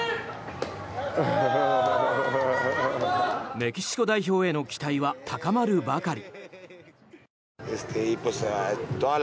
メキシコ代表への期待は高まるばかり。